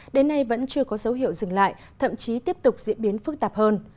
đến nay vẫn chưa có dấu hiệu dừng lại thậm chí tiếp tục diễn biến phức tạp hơn